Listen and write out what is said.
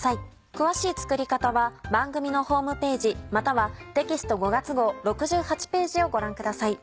詳しい作り方は番組のホームページまたはテキスト５月号６８ページをご覧ください。